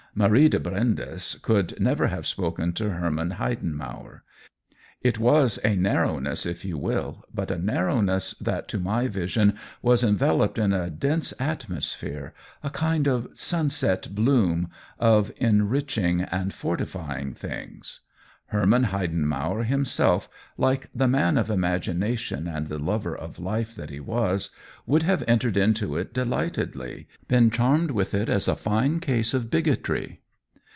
Marie de Brindes could never have spoken to Herman Heidenmauer. It was a narrow ness, if you will, but a narrowness that to my vision was enveloped in a dense atmos phere — a kind of sunset bloom — of enrich ing and fortifying things. Herman Heiden mauer himself, like the man of imagination and the lover of life that he was, would have entered into it delightedly, been charmed with it as a fine case of bigotry.